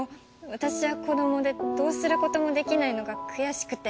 私は子どもでどうすることもできないのが悔しくて。